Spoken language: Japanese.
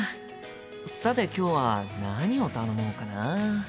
さて今日は何を頼もうかな？